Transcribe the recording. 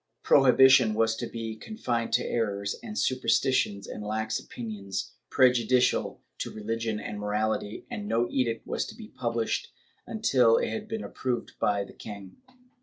Prohibition was to be con fined to errors and superstitions and lax opinions prejudicial to religion and morality, and no edict was to be published until it had been approved by the king.